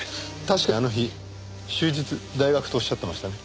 確かあの日終日大学とおっしゃってましたね。